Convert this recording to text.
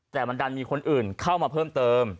แต่มันดันมีคนอื่นเข้ามาเพิ่มเติม